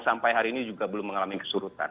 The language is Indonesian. sampai hari ini juga belum mengalami kesurutan